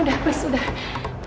udah please udah